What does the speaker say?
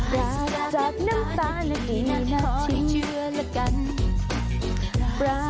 รักจากน้ำตาลนะดีนะที่เชื่อแล้วกัน